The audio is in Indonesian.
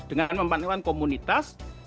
dengan memanfaatkan komunitas